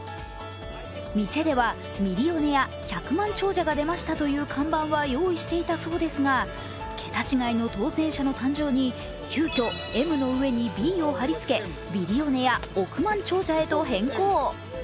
店ではミリオネア＝百万長者が出ましたという看板は用意していたということですが桁違いの当選者の誕生に急きょ、「Ｍ」の上に「Ｂ」を貼り付けビリオネア＝億万長者へと変更。